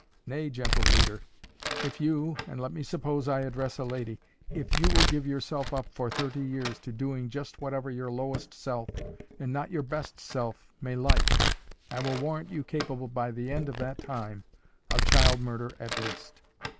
Nay, gentle reader, if you—and let me suppose I address a lady—if you will give yourself up for thirty years to doing just whatever your lowest self and not your best self may like, I will warrant you capable, by the end of that time, of child murder at least.